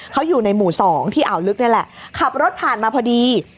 เขาอยู่ในหมู่สองที่อ่าวลึกนี่แหละขับรถผ่านมาพอดี